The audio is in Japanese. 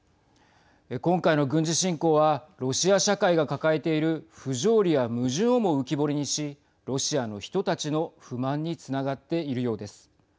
今回の軍事侵攻はロシア社会が抱えている不条理や矛盾をも浮き彫りにしロシアの人たちの不満につながっているようです。